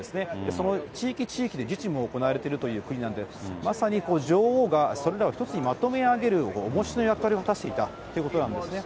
その地域、地域で実務も行われているという国なので、まさに女王が、それらを一つにまとめ上げるおもしの役割を果たしていたということなんですね。